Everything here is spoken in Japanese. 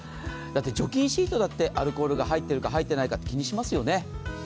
除菌シートだってアルコールが入ってるか入ってないか気にしますよね。